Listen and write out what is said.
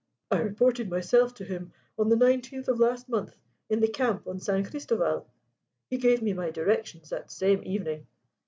"I reported myself to him on the nineteenth of last month in the camp on San Christoval: he gave me my directions that same evening."